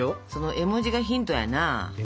絵文字がヒント？